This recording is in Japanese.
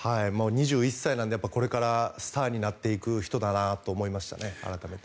２１歳なので、これからスターになっていく人だなと思いましたね、改めて。